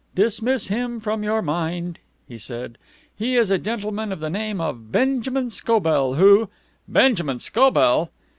"Dismiss him from your mind," he said. "He is a gentleman of the name of Benjamin Scobell, who " "Benjamin Scobell!"